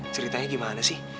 ceritanya gimana sih